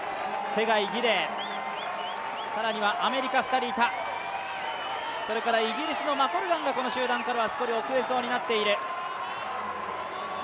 ツェガイ、ギデイ、さらにはアメリカ、２人それからイギリスのマコルガンがこの集団からは少し後れそうになっている。